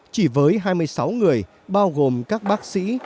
chỉ với hai mươi sáu người bao gồm các bác sĩ